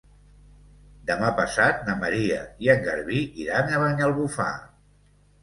Demà passat na Maria i en Garbí iran a Banyalbufar.